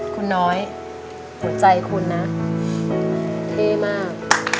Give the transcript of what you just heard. คุณน้อยหัวใจคุณนะเท่มาก